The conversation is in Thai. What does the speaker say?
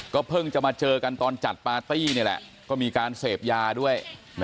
เพิ่งจะมาเจอกันตอนจัดปาร์ตี้นี่แหละก็มีการเสพยาด้วย